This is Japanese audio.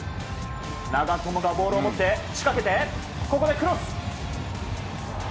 長友がボールを持って、仕掛けてここでクロス。